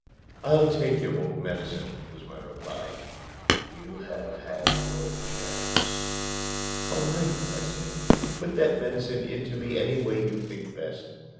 "I'll take your old medicine," was my reply. "You have had your chance." "All right," I said. "Put that medicine into me any way you think best.